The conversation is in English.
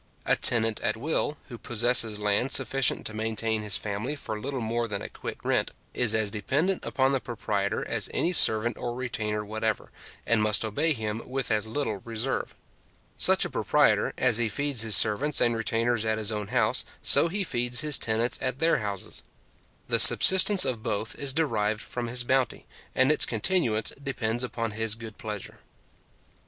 A tenant at will, who possesses land sufficient to maintain his family for little more than a quit rent, is as dependent upon the proprietor as any servant or retainer whatever, and must obey him with as little reserve. Such a proprietor, as he feeds his servants and retainers at his own house, so he feeds his tenants at their houses. The subsistence of both is derived from his bounty, and its continuance depends upon his good pleasure.